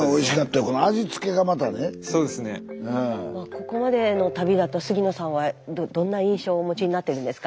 ここまでの旅だと杉野さんはどんな印象をお持ちになってるんですか？